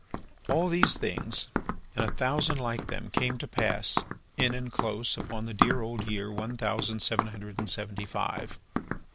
All these things, and a thousand like them, came to pass in and close upon the dear old year one thousand seven hundred and seventy five.